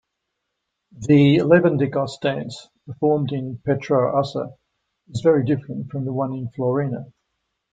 The Levendikos dance performed in Petroussa is very different from the one in Florina.